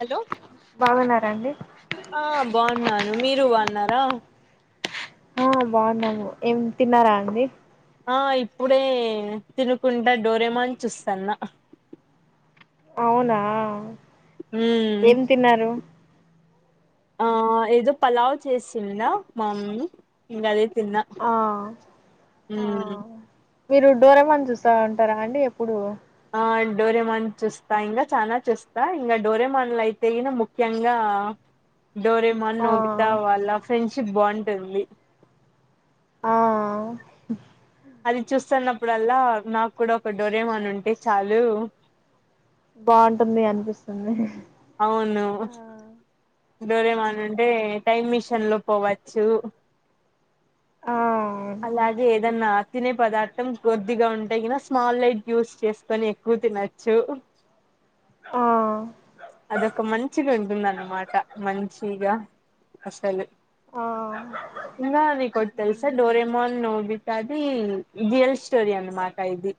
hello బాగున్నారండి ఆ బాగున్నాను మీరు బాగున్నార హలో ఆ బాగున్నాము ఏం తిన్నారా అండి ఆ ఇప్పుడే తినుకుంటా డోరేమాన్ చూస్తున్నా అవునా ఉమ్ ఏం తిన్నారు ఆ ఏదో పలావ్ చేసిందా మామ్మీ ఇంకా అదే తిన్న ఆ ఆ ఉమ్ మీరు డోరేమాన్ చూస్తా ఉంటారా అండి ఎప్పుడు ఆ డోరేమాన్ చూస్తా ఇంకా చానా చూస్తా ఇంకా డోరేమాన్లు అయితే ఈన ముఖ్యంగా డోరేమాన్ ఆ నోబితా వాళ్ళ ఫ్రెండ్షిప్ బాగుంటుంది ఆ అది చూస్తున్నప్పుడల్లా నాకు కూడా ఒక డోరేమన్ ఉంటే చాలు బాగుంటుంది అనిపిస్తుంది అవును ఆ డోరేమాను అంటే టైమ్ మెషీన్ లో పోవచ్చు అలాగే ఏదన్నా తినే పదార్థం కొద్దిగా ఉంటే గానా స్మాల్ లైట్ యూస్ చేసుకొని ఎక్కువ తినొచ్చు ఆ అదొక మంచిగా ఉంటుందన్నమాట మంచిగా అసలు ఆ [unintelligible] నీకు ఒకటి తెలుసా డోరమోన్ నోబితా అది రియల్ స్టోరీ అన్నమాట ఇది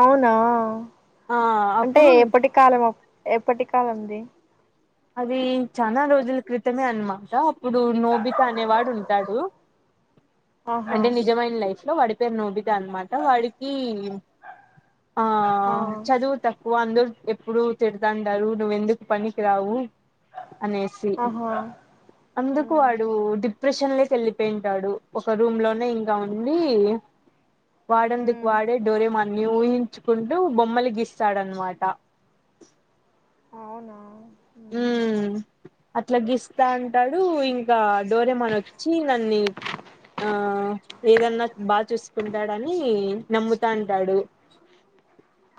అవునా ఆ అంటే అప్పుడు ఎప్పటి కాలం ఎప్పటి కాలంది అదే చనా రోజుల క్రితమే అన్మాట ఇప్పుడు నోబిత అనే వాడు ఉంటాడు ఆహా అంటే నిజమైన లైఫ్ లో వాడి పేరు నొ్విిదా అన్నమాట వాడికి ఆ ఆ చదువు తక్వ వాళ్లందరూ ఎప్పుడు తిడతంటారు నువ్వ ఎందుకు పనికి రావు అనేసి ఆహా అందుకు మ్మ్ వాడు ప్ పెషన్ కి వెళ్ళిపోయింటాడు ఒక రూమ్ లోనే ఇంకా ఉండి వాడందుకు మ్మ్ వాడే డోరే మన్యు ఊహ పచ్చుకుంటూ బొమ్మలు గీస్తాడన్నమాట అవునా ఉమ్ అట్లా గీస్తా అంటాడు ఇంకా డోరేమన్ వచ్చి నన్ను ఆ ఏదన్నా బాగా చూసుకుంటాడని నమ్ముతా అంటాడు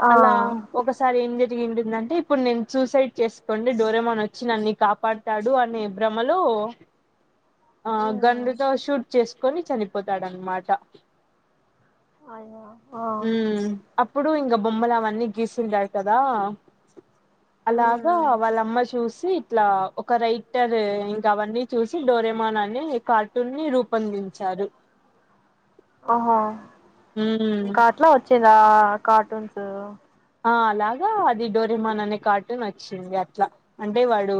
ఆ అలా ఒకసారి ఏం జరిగిందంటే ఇప్పుడు నేను సూసైడ్ చేసు వన్ డే డోరేమన్ వచ్చి నన్నన్ని కాపాడుతాడు అని భ్రమలో ఆ గన్ తో షూట్ చేసుకొని చనిపోతాడన్నమాట అయినా ఆ ఇప్పుడు ఇంక బొమ్మలు అవన్నీ గీసింటడు కదా అలా ద వాళ్ళమ్మ చూసి ఇట్లా ఒక రైటర్ ఇంక అవన్నీ చూసి డోరేమాన్ అనే కార్టూన్ ని రూపొందించారు అ ఆహో మ్మ్ ఇంకా అట్లా వచ్చిందా కార్టూన్స్ ఆ అలాగా అది డోరమాన్ అనే కార్టున్ వచ్చింది అట్లా అంటే వాడు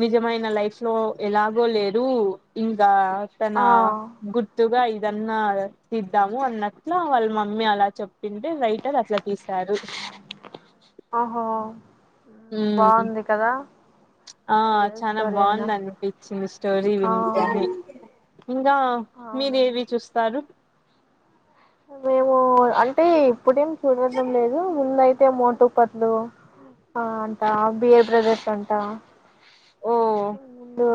నిజ నిమైన లైఫ్ లో ఎలాగో లేరు ఇంకా తన ఆ గుర్తుగా ఏదన్నా తీిద్దాము అన్నట్లా వాళ్ళ మమ్మీ అలా చెప్పింటే రైటర్ అట్లా తీశారు ఓహో మ్మ్ బాగుంది కదా ఆ రియల్ చాల స్టోరీ అయినా బాగుంది అనిపించింది స్టోరీ ఆ విడి ఇంకా మీర అవునండి ఏవి చూస్తారు మేము అన్ ఇప్పుడేం చూడటం లేదు ముందయి అతే మోట పట్లు ఆ అంటా బియర్ బ్రదర్స్ అంటా ఓ ధో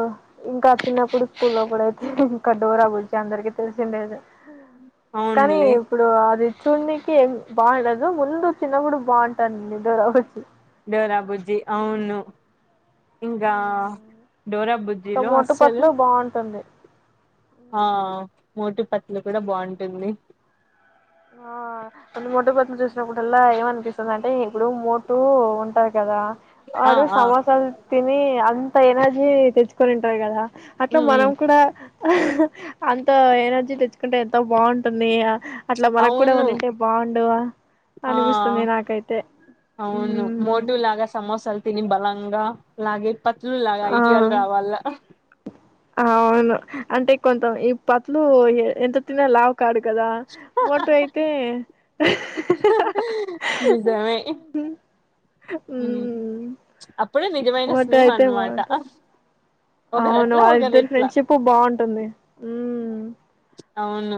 ఇంకా చిన్నప్పుడు స్కూ లో కూడా అయితే ఇంకా డోరా గుంచిి అందరికి తెలిసిండేది కానీ అవునులే ఇప్పుడు అది చూన్నకి బా ఇడదు ముందు చిన్న గుుడు బా ఉంటా న ఇది రచ్చ రా బుజ్జి అవును హింగా డోరా ఇంకా బుజ్జిలో మోటు అస్సలు పత్లు బాగుంటుంది ఆ మోటు పతులు కూడా బాగుంటుంది ఆ అంటే మొట పొతుం చూసినప్పుడల్లా ఏమనిపిస్తుంది అంటే ఇప్పుడు మోటు ఉంటారు కదా ఆ అరు ఆ సమోసాలు తిని అంత ఎనర్జీ తెచ్చుకోనింటారు కదా అట్లా ఉమ్ మనం ఉమ్ కూడా అంత ఎనర్జీ తెచ్చుకుంటే ఎంత బాగుంటుంది అట్లా మనకు కూడా అవును ఉంటే బాగుండువా ఆ అనిపిస్తుంది నాకైతే అవును ఉమ్ మోటలాగా సమోస అల్తని బల గ లాగే పతులు లాగ ఆ ఐడియాలు రావాల అవును అంటే కొంత ఈ పట్లు ఎంత తిిన లావ్ కాడు కదా మోటు అయితే నిజమే ఉమ్మ్ ఇప్పుడు నిజమైన స్నేహం అన్నమాట అవును ఒకరట్లా ఒకరు వాళ్ళిద్దరి ఎట్లా ఫ్రెండ్షిప్ బాగుంటుంది ఉమ్ అవును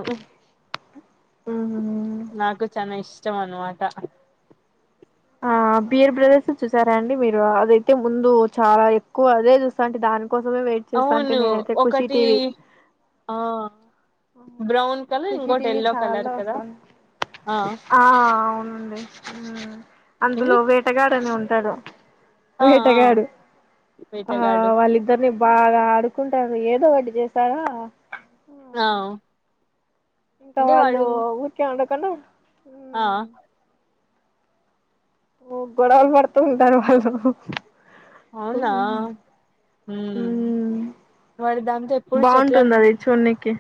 ఆ నాకు చానా ఇష్టం అనమాట ఆ బియర్ బ్రదర్స్ చూసారా అండి మీరు అదైతే ముందు చాలా ఎక్కువ అదే చూస్తా అంటే దానికి కోసమే వెయిట్ చేస్తా అంటే అవును నేనైతే ఖుషి ఒకటి టీవి ఆ బ్రౌన్ కలర్ ఖుషి ఇంకోటి టీవ ఎల్లో చాలా కలర్ కదా వస్తాను ఆ అవునండి అందులో ఏంది వేటగాడని ఉంటాడు ఆ ఆ వేటగాడు ఆ వేటగాడు వాళ్ళిద్దరిని బాగా ఆడుకుంటారు ఏదో ఒకడ్టి చేశారా ఆ ఇంకా అంటే వాళ్ళు వాడు ఊరికే ఉండకుడా ఆ గొడవలు పడుతూ ఉంటారు వాళ్ళు అవునా ఉ ఉమ్ మరి దాంతో ఎప్పుడు చెట్లన్ బాగుంటుంది అది చూడ్నికి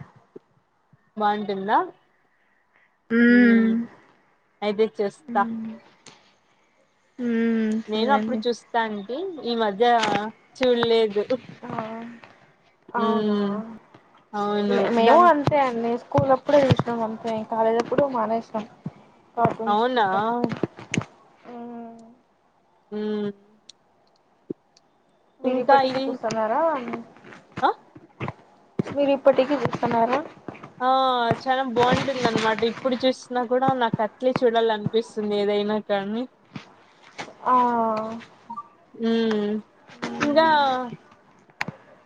బావుంటుందా ఉమ్ అయితేే చూస్తా ఉమ్ నేను అప్పుడు చూడండి చూస్తా అంటి ఈ మధ్య చూడలేదు ఆ ఉ అవునా అవును మేము దాన్ అంతే అండి స్కూల్ అప్పుడు చూసినాం అంతే కాలేజ్ అప్పుడు మానేసినాం కార్టూన్స్ అవునా కూడా ఆ ఉమ్ ఇంకా మీరీపట్టికి ఇది చూస్తున్నారా ఆ మీరు ఇప్పటికీ చూస్తాన్నారా ఆ చాల బాగుంటుంది అన్నమాట ఇప్పుడు చూసిన కూడా నాకు అట్లే చూడాల అనిపిస్తుంది ఏదైనా కానీ ఆ మ్ ఇంకా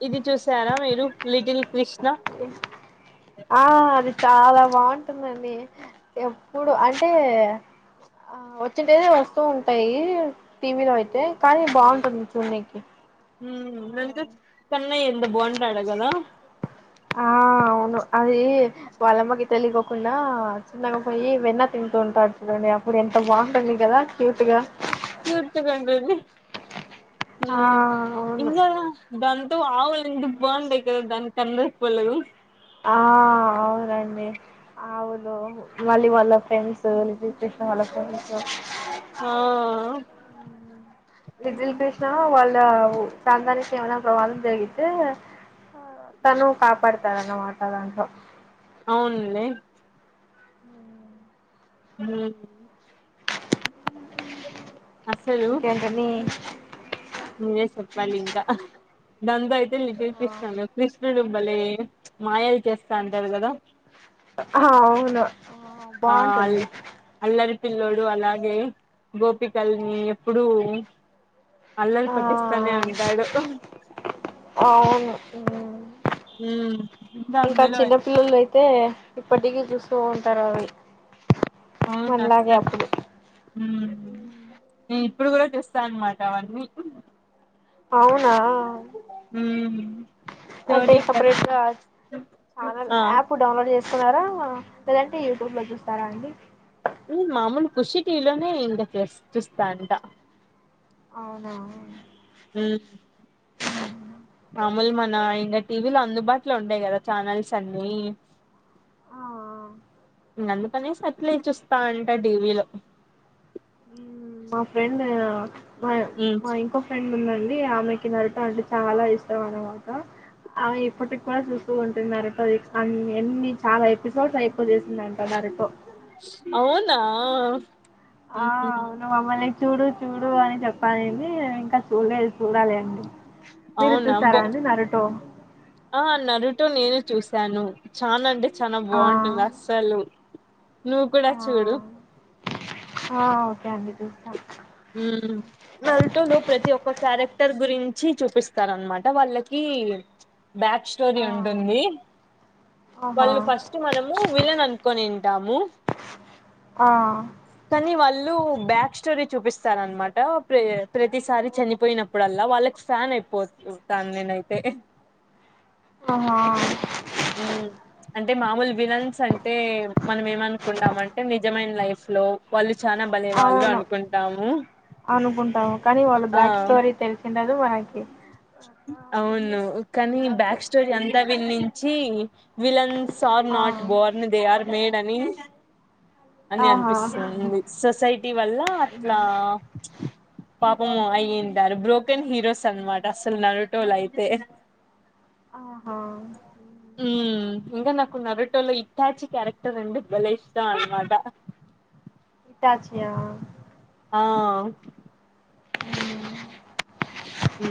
ఇది చూసారా మీరు లిటిల్ కృష్ణ ఆ అది చాలా బాగుంటుందండి ఎప్పుడు అంటే ఆ వచ్చిటేనే వస్తూ ఉంటాయి టీవీలో అయితే కానీ బాగుంటుంది చూనికి మ్ నంద్ గుర్చ్ కన్నయ్య ఎంత బాగుంటాడో కదా ఆ అవును అది వాళ్ళమ్మకి తెలియకోకుండా చిన్నగా పోయి వెన్న తింటూ ఉంటాడు చూడండి అప్పుడు ఎంత బాగుంటుంది కదా క్యూట్ గా క్యూట్ గుంటుందు ఆ మ్ అవును ఇంగ దాన్ టు ఆవులు ఎంత బాగుంటాయి కదా దానికి కను రెప్పలు ఆ అవునండి ఆవులు మళ్ళీ వాళ్ళ ఫ్రెండ్స్ లిటిల్ కృష్ణ వాళ్ళ ఫ్రెండ్స్ ఆ లిటిల్ కృష్ణ వాళ్ళ ప్రాంతానికి ఏమైన ప్రమాదం జరిగితే తను కాపాడుతారన్న మాట దాంట్లో అవును లే మ్ అసలు ఇంకేంటని చెప్పాలి ఇంకా దాంట్లో అయితే లిటిల్ కృష్ణ కృష్ణ లో కృష్ణుడు బాలే మాయాలు చేస్తా అంటారు కదా ఆ అవును ఆ బాగుంటుంది అల్లరి పిల్లోడు అలాగే గోపికల్ని ఎప్పుడూ అల్లరి ఆ పటిస్తనే ఉంటాడు అవును ఇంకా చిన్నపిల్లలు అయి తే ఇప్పటికీ చూస్తూ ఉంటారు అవి అవును మనలాగే అస్సలు అప్పుడు మ్ నేను ఇప్పుడు కూడా చేస్తా అన్నమాట అవన్నీ అవునా ఉమ్ అంటే స్టోరీ ఇంకా సపరేట్ గా ఛానెల్ ఆ యాప్ డౌన్లోడ్ చే సుకున్నారా లేదంటే యూట్యూబ్ లో చూస్తారా అండి లేద్ మామూలు కుషిటీలోనే ఇంగ చెస్ చూస్తా ఉంటా అవునా మ్ మామూలు మన ఇంకా టీవీలో అందుబాటులో ఉంటాయి కదా ఛానల్స్ అన్ని ఆ ఇంగ అందుకనేసి అట్లే చూస్తా ఉంటా టీవీలో మ్ మా ఫ్రెండ్ మా ఉమ్ మా ఇంకో ఫ్రెండ్ ఉందం డి అ ఆమెకి నారుత అంటే చాలా ఇష్టం అనమాట అవి ఇప్పటికి కూడా చూస్తూ ఉంటున్నారు అది అ అన్ని చాలా ఎపిసోడ్స్ అయిపోచేసిందండి అవునా ఆ ఉమ్ అవును మమ్మల్ని చూడు చూడు అని చెప్పనంది ఇంకా చూడ్లేదు చూడాలి అండి మీరు అవునా బో చూస్తారా అని నరుటో టు నేను చూశాను చానా అంటే చానా ఆ బాగుంటుంది అస్సలు నువ్వు కూడా ఆ చూడూ ఆ ఓకే అండి చూస్తాం మ్ మరుటోలు ప్రతి ఒక్కర్ క్యారెక్టర్ గురించి చూపిస్తారన్ మాట వాళ్ళకి బ్యాక్ స్టోరీ ఆ ఉంటు ఉంది ఆహా వాళ్ళు ఫస్ట్ మనము విలన్ అనుకోనే డము ఆ కానీ వాళ్ళు బ్యాక్ స్టోరీ చూపి స్త్ స్తాన అనమాట ప్రతిసారి చనిపోయినప్పుడ అల్లా వాళ్ళకి ఫ్యాన్ అయిపోతున్ టాను నేన్ అయితే ఆహ ఉమ్ అంటే మామూల్ విలన్స్ అంటే మనం ఏమనుకుంటాం మ్ అంటే నిజమైన లైఫ్ లో వాళ్ళు ఇష్ట్ చానా బలే వాళ్ళు అవును అనుకుఉంటాము అనుకుంటాము కానీ వాళ్ళు ఆ బ్యాక్ స్టోరీ తెలిసిండరు మనకి అవునూ కానీ బ్యాక్ స్టోరీ అంతా విన్నించి విలన్స్ ఆర్ ఆ not born they are made డని అని ఆహా అనిపిస్తుంది సొసైటీ వల్లా అట్లా పాపం అయింటారు బ్రోకెన్ హీరోస్ అన్ మాట అసల్ నల్ టోల్ అయితే ఆహా ఉమ్ ఇంకా నాకు నరోటో లో ఇతాచి క్యారెక్టర్ అండి బలే ఇష్టం అన్ మాట ట్యాచ్ నియా ఆ అవు అ హ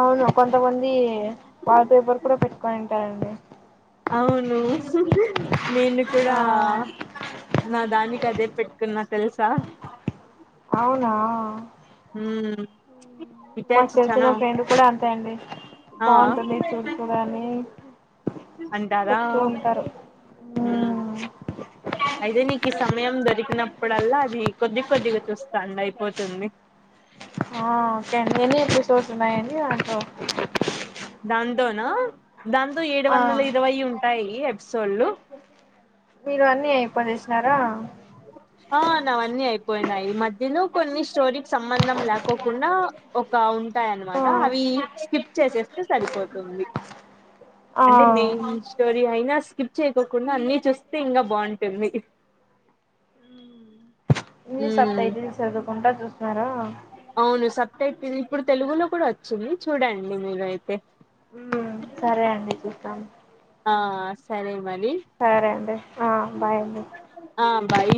అవును కొంతమంది వాల్ పేపర్ కూడా పెట్టుకుని ఉంటార్ అండి అవును నేను కూడా ఆ నా దానికి అదే పెట్కున్నా తెలుసా అవునా ఆ మ్ మాకు తెలిసి నా ఫ్రెండ్ కూడా అక్కడ్నే ఆ బాగుంటుంది చూస్ కోనని అంటరా మ్ మ్మ్ అయితేే నీకి ఈ సమయం దొరికి అన్నప్పుడ అల్లా అది కొద్ది కొద్దిగా చూస్తాండి అయిపోతుంది ఆ క ఎన్ని ఎపిసోడ్స్ ఉన్నాయండి అందు దాంతోనా దాంతో ఏడు ఆ వందలు ఇరవై ఉంటాయి ఎపిసోడ్లు మీరు అన్నీ అయిపోని ఇస్తారా ఆ నావ అన్ని అన్ని అయిపోయినాయి ఈ మధ్యలో కొన్ని స్టోరీ సంబంధం ల్యాకకుండా ఒక ఉంది వుంటాయ అన్ ఆ మాట అవి స్కిప్ చేసేస్తే సరిపోతుంది అంటే ఆ మేయిన్ స్టోరీ అయినా స్ స్కిప్ చేయకోకుండా అన్ని చూస్తే ఇంకా బాగుంటుంది ఇ ఉమ్ సబ్టైటిల్ సదువుకుంటా చూస్ అవును సుబ్టిటిల్ ఇప్పుడు తెలుగులో కూడా వచ్చింది చూడండి మీర్ అయితే సరే అండి చూస్తాను ఆ సరే మరి సరే అండి ఆ బాయ్ అండి ఆ బయి